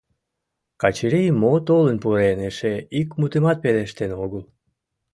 Качырий мо толын пурен эше ик мутымат пелештен огыл.